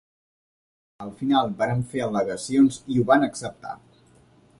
Al final vàrem fer al·legacions i ho van acceptar.